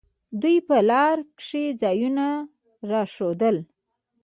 دوى په لاره کښې ځايونه راښوول.